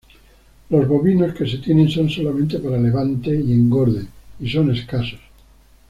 Los bovinos que se tienen son solamente para levante y engorde y son escasos.